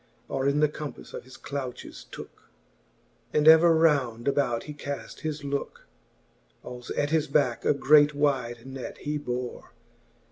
Or in the compafle of his douches tooke ; And ever round about he caft his looke. Als at his backe a great wide net he bore.